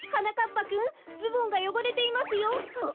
ぱくんズボンがよごれていますよ。